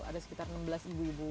ada sekitar enam belas ibu ibu